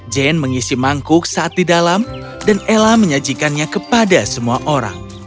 jane mengisi mangkuk saat di dalam dan ella menyajikannya kepada semua orang